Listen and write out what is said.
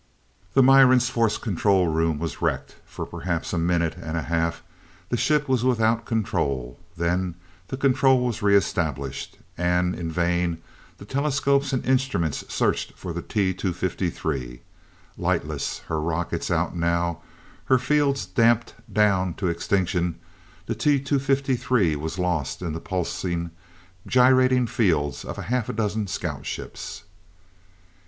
The Miran's force control room was wrecked. For perhaps a minute and a half, the ship was without control, then the control was re established and in vain the telescopes and instruments searched for the T 253. Lightless, her rockets out now, her fields damped down to extinction, the T 253 was lost in the pulsing, gyrating fields of half a dozen scout ships.